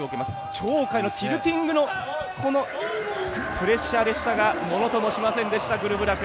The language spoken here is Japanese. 鳥海のティルティングのプレッシャーでしたがものともしませんでしたグルブラク。